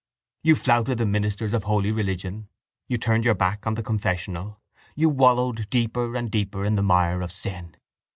You flouted the ministers of holy religion, you turned your back on the confessional, you wallowed deeper and deeper in the mire of sin.